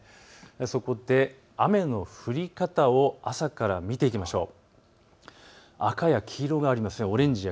そこで雨の降り方を朝から見ていきましょう。